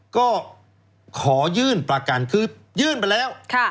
ก็ขอยื่นประกันคือยื่นไปแล้ว